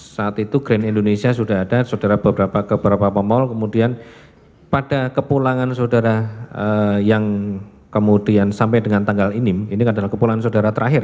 saat itu grand indonesia sudah ada saudara beberapa pemal kemudian pada kepulangan saudara yang kemudian sampai dengan tanggal ini ini adalah kepulangan saudara terakhir